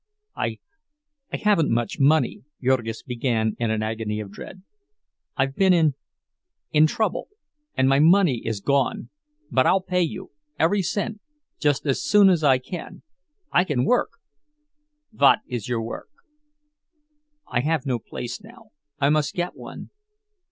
"I—I haven't much money," Jurgis began in an agony of dread. "I've been in—in trouble—and my money is gone. But I'll pay you—every cent—just as soon as I can; I can work—" "Vot is your work?" "I have no place now. I must get one.